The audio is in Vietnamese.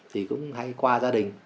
thì cũng hay qua gia đình